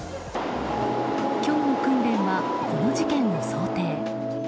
今日の訓練はこの事件を想定。